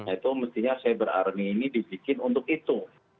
itu mestinya cyber army ini dibikin untuk itu